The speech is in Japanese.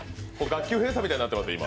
学級閉鎖みたいになってます、今。